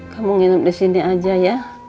kamu nginep di sini aja ya